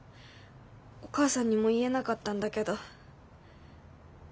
お母さんにも言えなかったんだけど。